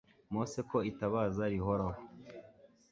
mose ko itabaza rihoraho